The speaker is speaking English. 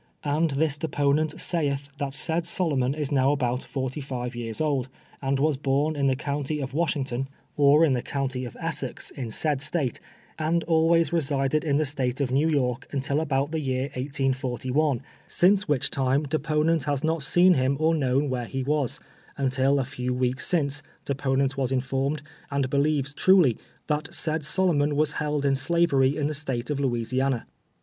And this deponent saith that siid Solomon is now about forty fi\'e years old, and was born m llic county of "NV^asii APPENDIX. 331 ington aforesaid, or in the county of Essex, in said State, and ahvays resided in the State of New York until about the year 1841, since wliich time deponent has not seen him or l^nown where he was, until a few weeks since, deponent was informed, and believes truly, tliat said Solomon was held in slavery in the State of Louisiana.